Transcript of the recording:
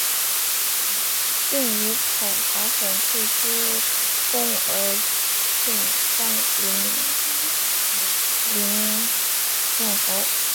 并以讨伐沈充之功而进封零陵县侯。